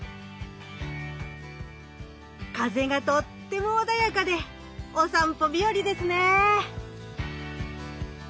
風がとっても穏やかでお散歩日和ですね。